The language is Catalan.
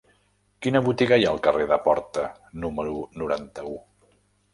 Quina botiga hi ha al carrer de Porta número noranta-u?